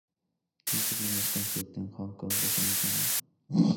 Dio su primer concierto en Hong Kong ese mismo año.